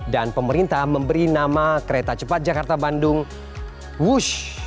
dan pemerintah memberi nama kereta cepat jakarta bandung wush